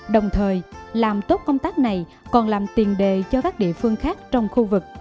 đồng thời làm tốt công tác này còn làm tiền đề cho các địa phương khác trong khu vực